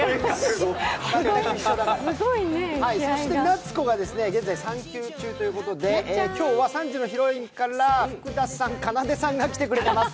夏子が現在、産休中ということで今日は３時のヒロインから福田さん、かなでさんが来てくれてます。